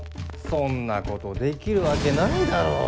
そんなことできるわけないだろ。